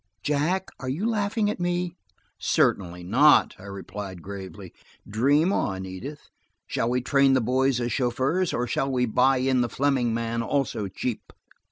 Jack, are you laughing at me?' "Certainly not," I replied gravely. "Dream on, Edith. Shall we train the boys as chauffeurs, or shall we buy in the Fleming man, also cheap."